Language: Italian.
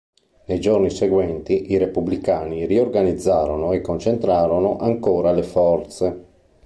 Nei giorni seguenti i repubblicani riorganizzarono e concentrarono ancora le forze.